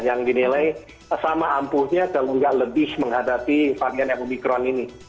yang dinilai sama ampuhnya kalau nggak lebih menghadapi varian omikron ini